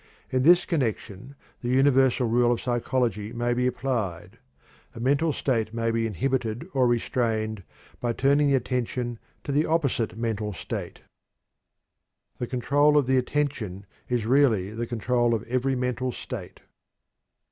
In this connection the universal rule of psychology may be applied: A mental state may be inhibited or restrained by turning the attention to the opposite mental state. The control of the attention is really the control of every mental state.